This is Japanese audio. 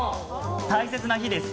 大切な日です。